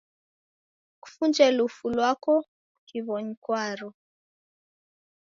Kuw'unje lufu lwako kiw'onyi kwaro.